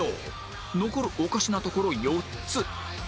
残るおかしなところ４つ